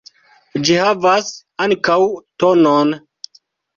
Ĝi havas ankaŭ tonon.